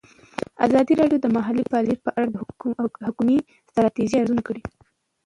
ازادي راډیو د مالي پالیسي په اړه د حکومتي ستراتیژۍ ارزونه کړې.